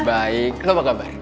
baik lo apa kabar